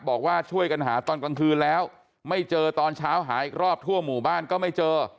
บอกว่าช่วยกันหาตอนกลางคืนแล้วไม่เจอตอนเช้าหาอีกรอบทั่วหมู่บ้านก็ไม่เจอ